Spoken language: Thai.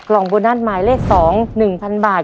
กล่องโบนัสหมายเลขสอง๑๐๐๐บาท